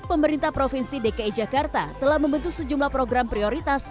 pemerintah provinsi dki jakarta telah membentuk sejumlah program prioritas